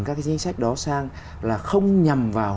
các cái chính sách đó sang là không nhằm vào